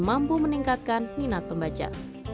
mampu meningkatkan minat pembaca